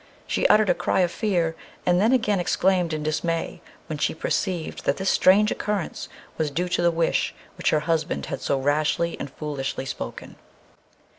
She uttered a cry of fear, and then again exclaimed in dismay, when she perceived that this strange occurrence was due to the wish which her husband had so rashly and foolishly spoken.